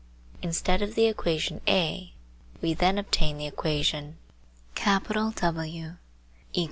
Instead of the equation (A) we then obtain the equation eq.